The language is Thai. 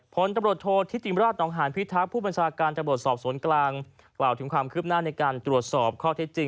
ผลตำรวจโทษธิติราชนองหานพิทักษ์ผู้บัญชาการตำรวจสอบสวนกลางกล่าวถึงความคืบหน้าในการตรวจสอบข้อเท็จจริง